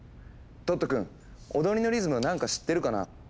トット君踊りのリズム何か知ってるかな？